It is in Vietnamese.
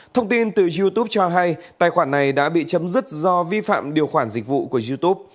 thông tin từ youtube cho hay tài khoản này đã bị chấm dứt do vi phạm điều khoản dịch vụ của youtube